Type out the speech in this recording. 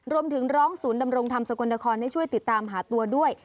รวมถึงร้องศูนย์ดำรงธรรมสกลนครให้ช่วยติดตามหาตัวด้วย